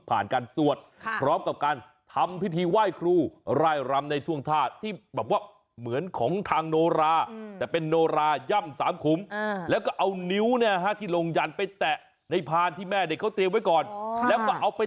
ก็อาจจะเป็นการทำเพื่ออัพไล่สิ่งที่ไม่ดีออกไป